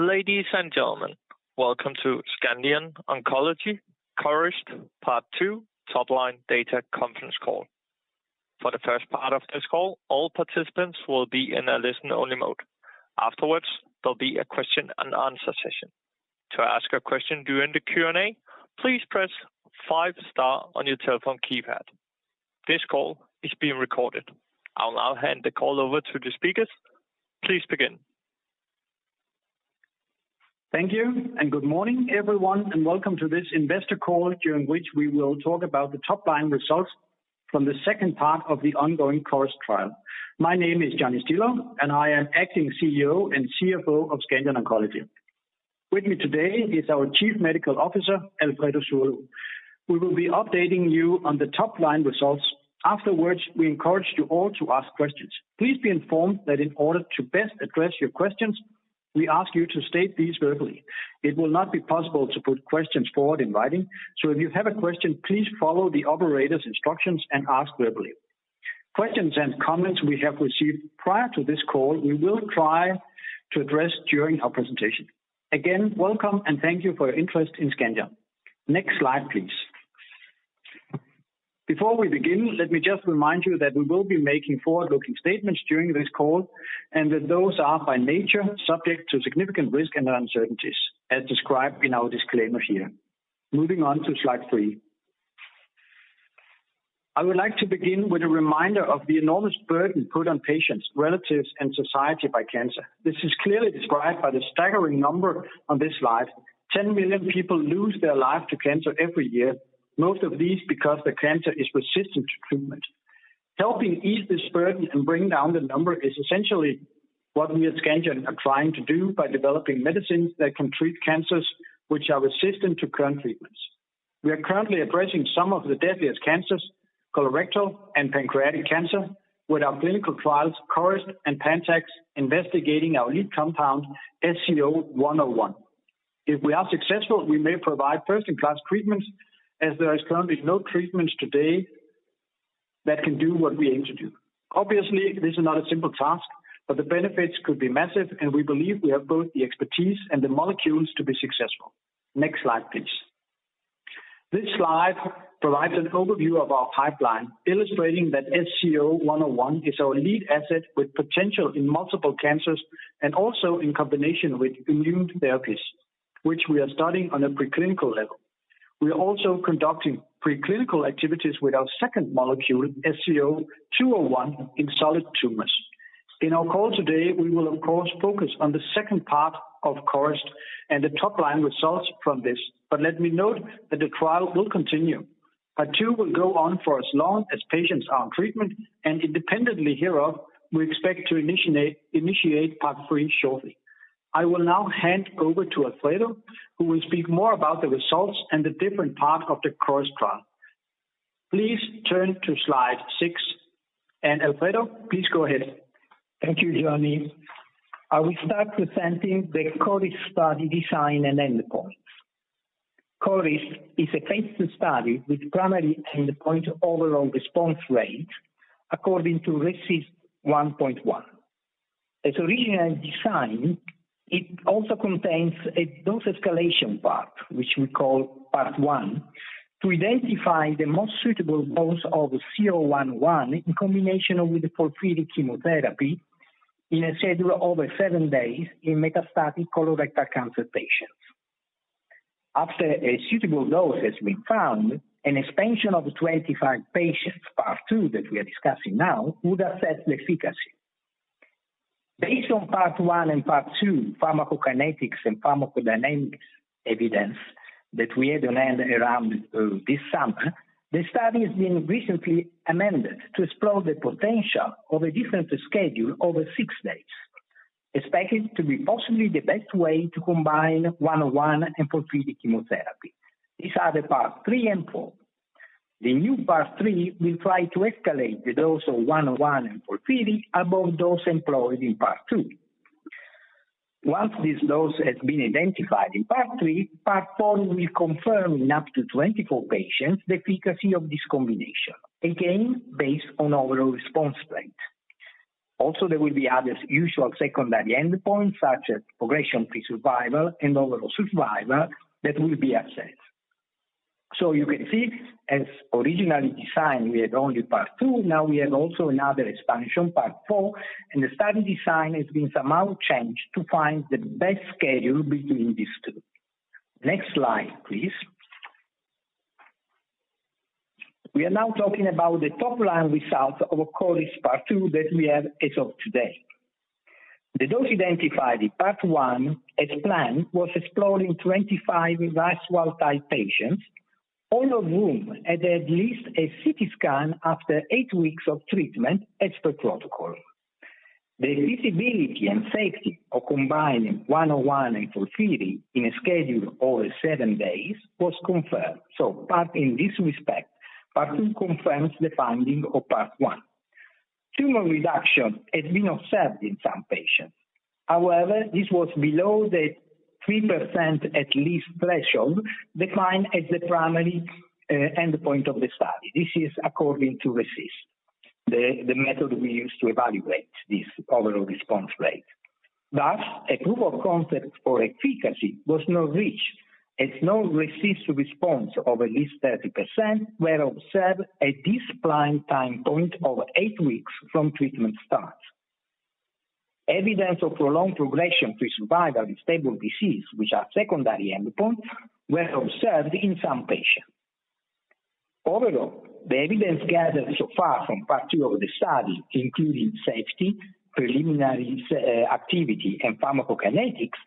Ladies and gentlemen, welcome to Scandion Oncology CORIST part 2: Top Line Data Conference Call. For the first part of this call, all participants will be in a listen-only mode. Afterwards, there'll be a question and answer session. To ask a question during the Q&A, please press five star on your telephone keypad. This call is being recorded. I'll now hand the call over to the speakers. Please begin. Thank you, and good morning, everyone, and welcome to this investor call during which we will talk about the top line results from the second part of the ongoing CORIST trial. My name is Johnny Stilou, and I am Acting CEO & CFO of Scandion Oncology. With me today is our Chief Medical Officer, Alfredo Zurlo. We will be updating you on the top line results. Afterwards, we encourage you all to ask questions. Please be informed that in order to best address your questions, we ask you to state these verbally. It will not be possible to put questions forward in writing. If you have a question, please follow the operator's instructions and ask verbally. Questions and comments we have received prior to this call, we will try to address during our presentation. Again, welcome and thank you for your interest in Scandion. Next slide, please. Before we begin, let me just remind you that we will be making forward-looking statements during this call and that those are by nature subject to significant risk and uncertainties as described in our disclaimer here. Moving on to slide 3. I would like to begin with a reminder of the enormous burden put on patients, relatives, and society by cancer. This is clearly described by the staggering number on this slide. 10 million people lose their life to cancer every year, most of these because the cancer is resistant to treatment. Helping ease this burden and bring down the number is essentially what we at Scandion are trying to do by developing medicines that can treat cancers which are resistant to current treatments. We are currently addressing some of the deadliest cancers, colorectal and pancreatic cancer, with our clinical trials, CORIST and PANTAX, investigating our lead compound, SCO-101. If we are successful, we may provide first-in-class treatments as there is currently no treatments today that can do what we aim to do. Obviously, this is not a simple task, but the benefits could be massive, and we believe we have both the expertise and the molecules to be successful. Next slide, please. This slide provides an overview of our pipeline, illustrating that SCO-101 is our lead asset with potential in multiple cancers and also in combination with immune therapies, which we are studying on a preclinical level. We are also conducting preclinical activities with our second molecule, SCO-201, in solid tumors. In our call today, we will of course focus on the second part of CORIST and the top line results from this. Let me note that the trial will continue. Part 2 will go on for as long as patients are on treatment. Independently hereof, we expect to initiate part 3 shortly. I will now hand over to Alfredo, who will speak more about the results and the different part of the CORIST trial. Please turn to slide 6. Alfredo, please go ahead. Thank you, Johnny. I will start presenting the CORIST study design and endpoints. CORIST is a phase II study with primary endpoint overall response rate according to RECIST 1.1. As original design, it also contains a dose escalation part, which we call part 1, to identify the most suitable dose of the SCO-101 in combination with the FOLFIRI chemotherapy in a schedule over 7 days in metastatic colorectal cancer patients. After a suitable dose has been found, an expansion of 25 patients, part 2 that we are discussing now, would assess the efficacy. Based on part 1 and part 2 pharmacokinetics and pharmacodynamics evidence that we had around this summer, the study is being recently amended to explore the potential of a different schedule over 6 days, expected to be possibly the best way to combine SCO-101 and FOLFIRI chemotherapy. These are the part 3 and 4. The new part 3 will try to escalate the dose of SCO-101 and FOLFIRI above dose employed in part 2. Once this dose has been identified in part 3, part 4 will confirm in up to 24 patients the efficacy of this combination, again, based on overall response rate. Also, there will be other usual secondary endpoints such as progression-free survival and overall survival that will be assessed. You can see as originally designed, we had only part 2. Now we have also another expansion, part 4. The study design has been somehow changed to find the best schedule between these two. Next slide, please. We are now talking about the top line results of our CORIST part 2 that we have as of today. The dose identified in part 1 as planned was exploring 25 RAS wild type patients, all of whom had at least a CT scan after eight weeks of treatment as per protocol. The feasibility and safety of combining SCO-101 and FOLFIRI in a schedule over 7 days was confirmed. Part 1 in this respect, part 2 confirms the finding of part 1. Tumor reduction has been observed in some patients. However, this was below the 3% at least threshold defined as the primary endpoint of the study. This is according to RECIST, the method we use to evaluate this overall response rate. Thus, a proof of concept for efficacy was not reached, as no RECIST response of at least 30% were observed at this primary time point of 8 weeks from treatment start. Evidence of prolonged progression-free survival with stable disease, which are secondary endpoint, were observed in some patients. Overall, the evidence gathered so far from part 2 of the study, including safety, preliminary activity, and pharmacokinetics,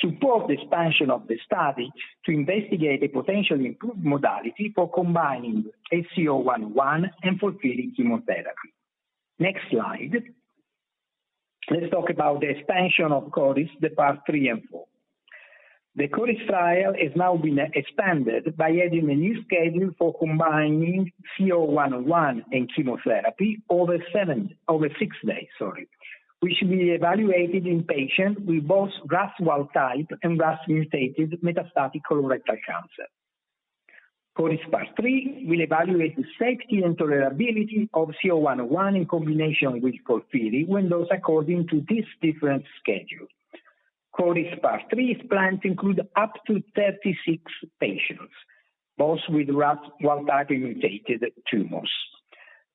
support the expansion of the study to investigate the potential improved modality for combining SCO-101 and FOLFIRI chemotherapy. Next slide. Let's talk about the expansion of CORIST, the part 3 and 4. The CORIST trial is now being expanded by adding a new schedule for combining SCO-101 and chemotherapy over six days, sorry. Which will be evaluated in patients with both RAS wild type and RAS mutated metastatic colorectal cancer. CORIST part 3 will evaluate the safety and tolerability of SCO-101 in combination with FOLFIRI when dosed according to this different schedule. CORIST part 3 is planned to include up to 36 patients, both with RAS wild type and RAS mutated tumors.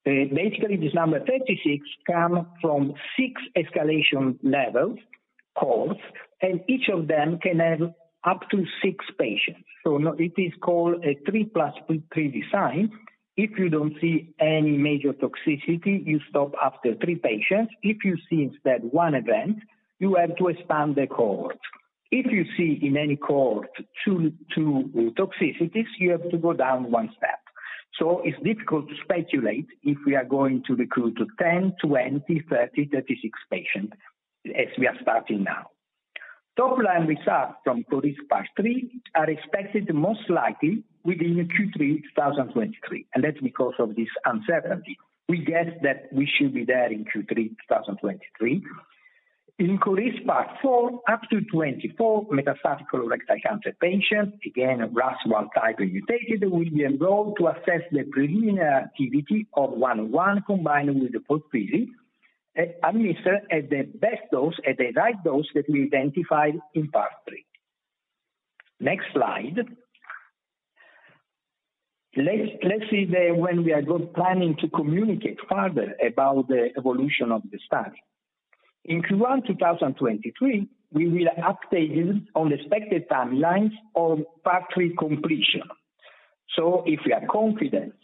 Basically, this number 36 comes from six escalation levels cohorts, and each of them can have up to six patients. It is called a 3+3 design. If you don't see any major toxicity, you stop after three patients. If you see instead one event, you have to expand the cohort. If you see in any cohort two toxicities, you have to go down one step. It's difficult to speculate if we are going to recruit to 10, 20, 30, 36 patients as we are starting now. Top line results from CORIST part 3 are expected most likely within Q3 2023, and that's because of this uncertainty. We guess that we should be there in Q3 2023. In CORIST part 4, up to 24 metastatic colorectal cancer patients, again, RAS wild type or mutated, will be enrolled to assess the preliminary activity of SCO-101 combined with FOLFIRI, administered at the best dose, at the right dose that we identified in part 3. Next slide. Let's see when we are planning to communicate further about the evolution of the study. In Q1 2023, we will update you on the expected timelines of part 3 completion. If we are confident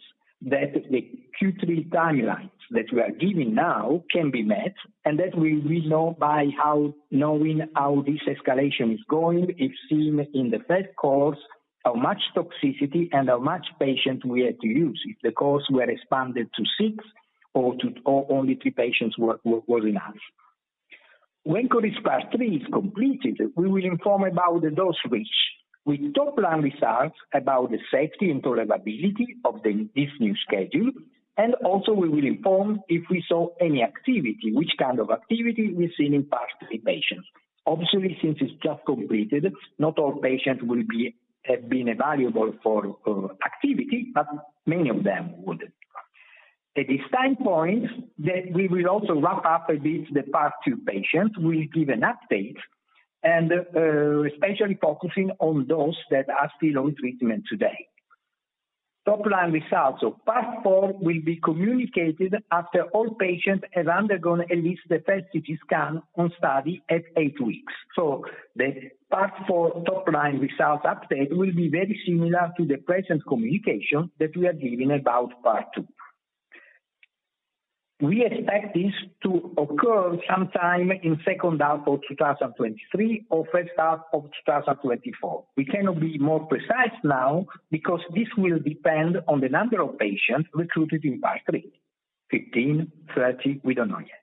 that the Q3 timelines that we are giving now can be met, and that we will know by knowing how this escalation is going. If seen in the first course, how much toxicity and how much patient we had to use. If the course were expanded to six or to only three patients was enough. When CORIST part 3 is completed, we will inform about the dose reached with top-line results about the safety and tolerability of this new schedule, and also we will inform if we saw any activity, which kind of activity we've seen in past patients. Obviously, since it's just completed, not all patients have been valuable for activity, but many of them would. At this time point, we will also wrap up a bit the part 2 patients. We'll give an update and, especially focusing on those that are still on treatment today. Top-line results of part 4 will be communicated after all patients have undergone at least the first CT scan on study at 8 weeks. The part 4 top-line results update will be very similar to the present communication that we are giving about part 2. We expect this to occur sometime in second half of 2023 or first half of 2024. We cannot be more precise now because this will depend on the number of patients recruited in part 3. 15, 30, we don't know yet.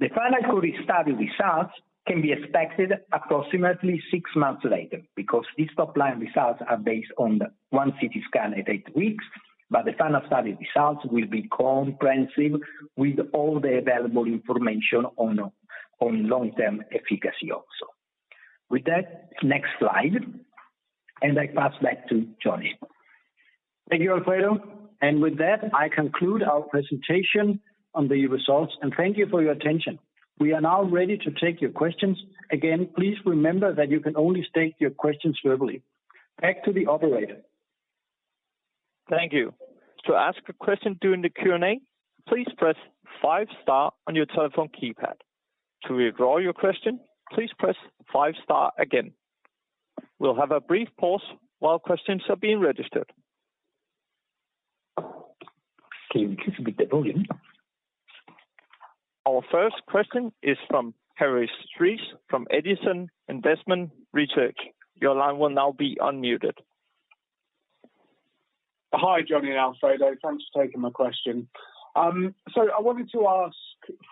The final CORIST study results can be expected approximately 6 months later because these top-line results are based on the 1 CT scan at 8 weeks. The final study results will be comprehensive with all the available information on long-term efficacy also. With that, next slide, and I pass back to Johnny. Thank you, Alfredo. With that, I conclude our presentation on the results and thank you for your attention. We are now ready to take your questions. Again, please remember that you can only state your questions verbally. Back to the operator. Thank you. To ask a question during the Q&A, please press five star on your telephone keypad. To withdraw your question, please press five star again. We'll have a brief pause while questions are being registered. Can you increase a bit the volume? Our first question is from Harry Shrives from Edison Investment Research. Your line will now be unmuted. Hi, Johnny Stilou and Alfredo Zurlo. Thanks for taking my question. So I wanted to ask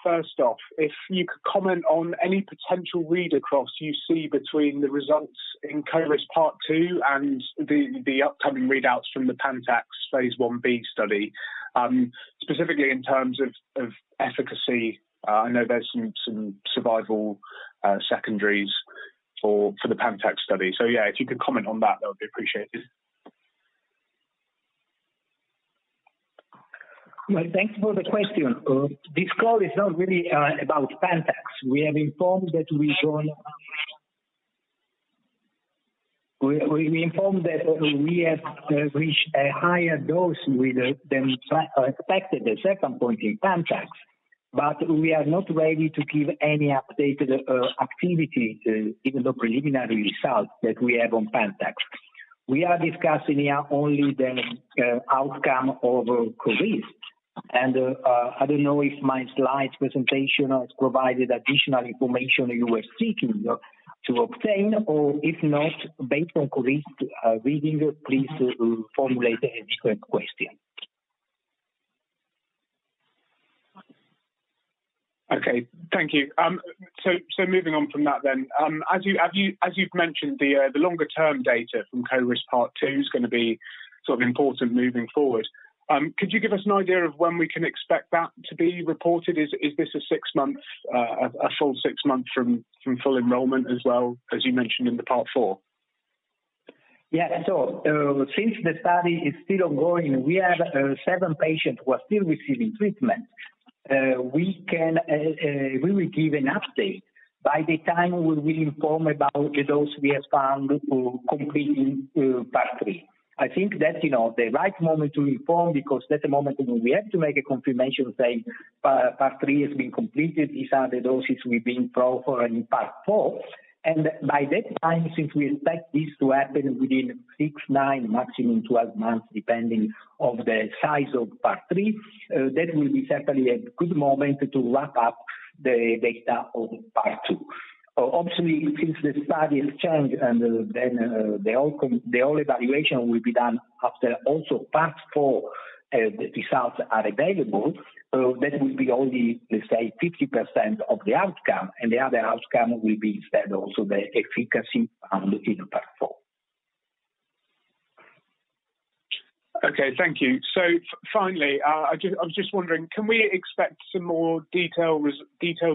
first off if you could comment on any potential read across you see between the results in CORIST part 2 and the upcoming readouts from the PANTAX Phase I-B study, specifically in terms of efficacy. I know there's some survival secondaries or for the PANTAX study. Yeah, if you could comment on that would be appreciated. Well, thanks for the question. This call is not really about PANTAX. We informed that we have reached a higher dose with it than expected at certain point in PANTAX, but we are not ready to give any updated activity to even the preliminary results that we have on PANTAX. We are discussing here only the outcome of CORIST. I don't know if my slides presentation has provided additional information you were seeking to obtain, or if not, based on CORIST reading, please formulate a different question. Okay. Thank you. Moving on from that then. As you've mentioned, the longer-term data from CORIST part 2 is gonna be sort of important moving forward. Could you give us an idea of when we can expect that to be reported? Is this a 6-month, a full 6 months from full enrollment as well, as you mentioned in the part 4? Yeah. Since the study is still ongoing, we have seven patients who are still receiving treatment. We can give an update by the time we will inform about the dose we have found to completing part 3. I think that's, you know, the right moment to inform because that's the moment when we have to make a confirmation saying part 3 has been completed, these are the doses we bring forward in part 4. By that time, since we expect this to happen within 6, 9, maximum 12 months, depending of the size of part 3, that will be certainly a good moment to wrap up the data of part 2. Obviously, since the study has changed and then, the overall evaluation will be done after also part 4 results are available, that will be only, let's say 50% of the outcome, and the other outcome will be instead also the efficacy found in part 4. Okay. Thank you. Finally, I was just wondering, can we expect some more detailed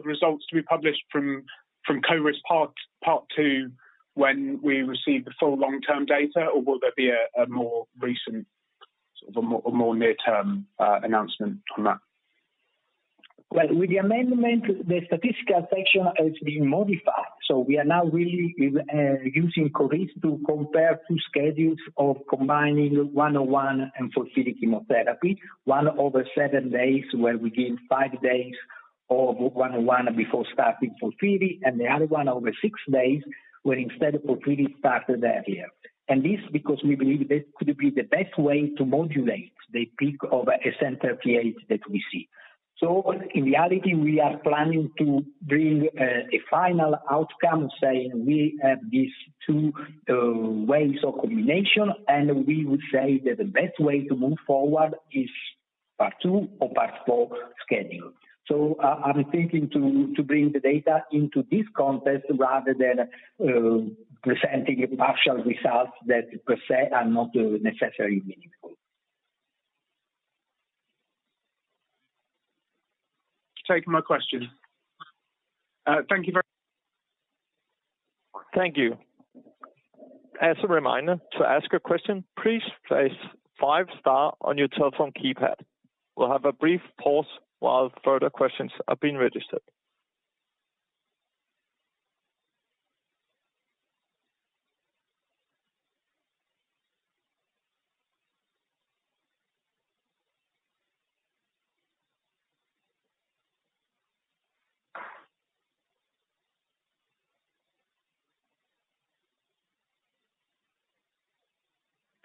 results to be published from CORIST part 2 when we receive the full long-term data, or will there be a more recent, sort of a more near-term announcement on that? Well, with the amendment, the statistical section has been modified. We are now really using CORIST to compare two schedules of combining SCO-101 and FOLFIRI chemotherapy, one over 7 days, where we give 5 days of SCO-101 before starting FOLFIRI, and the other one over 6 days, where instead of FOLFIRI started earlier. This because we believe this could be the best way to modulate the peak of SN-38 that we see. In reality, we are planning to bring a final outcome saying we have these two ways of combination, and we would say that the best way to move forward is part 2 or part 4 scheduling. I'm thinking to bring the data into this context rather than presenting a partial results that per se are not necessarily meaningful. Taking my question. Thank you very. Thank you. As a reminder, to ask a question, please press five star on your telephone keypad. We'll have a brief pause while further questions are being registered.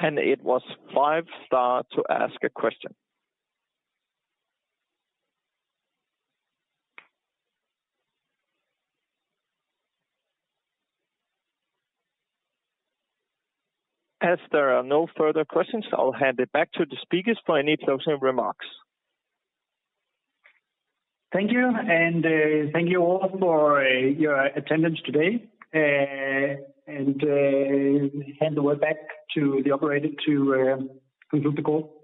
It was five star to ask a question. As there are no further questions, I'll hand it back to the speakers for any closing remarks. Thank you. Thank you all for your attendance today. Hand over back to the operator to conclude the call.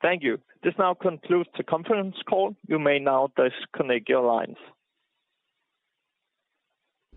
Thank you. This now concludes the conference call. You may now disconnect your lines.